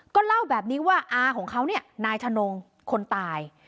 ก็เล่าแบบนี้ว่าอาของเขาเนี่ยนายทนงคนตาย